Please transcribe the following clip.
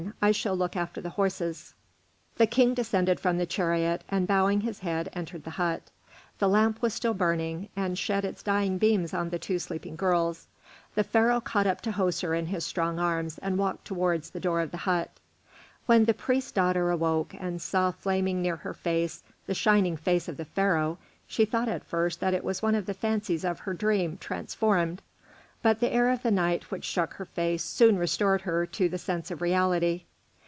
I shall look after the horses." The king descended from the chariot, and bowing his head, entered the hut. The lamp was still burning, and shed its dying beams on the two sleeping girls. The Pharaoh caught up Tahoser in his strong arms and walked towards the door of the hut. When the priest's daughter awoke, and saw flaming near her face the shining face of the Pharaoh, she thought at first that it was one of the fancies of her dream transformed; but the air of night which struck her face soon restored her to the sense of reality.